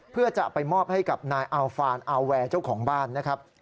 เพื่อจะไปมอบให้กับนายอัลฟานอาวแวร์เจ้าของบ้านนะครับ